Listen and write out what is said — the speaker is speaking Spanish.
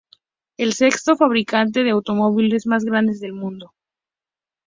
Es el sexto fabricante de automóviles más grande del mundo.